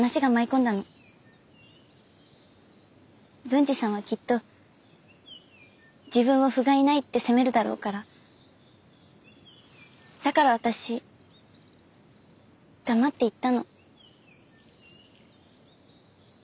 文治さんはきっと自分をふがいないって責めるだろうからだから私黙って行ったの。